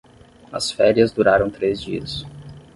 As férias duraram três dias.